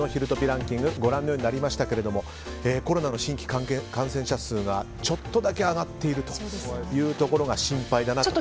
ランキングご覧のようになりましたけどコロナの新規感染者数がちょっとだけ上がっているというところが心配だなと。